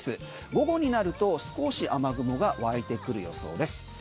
午後になると少し雨雲が湧いてくる予想です。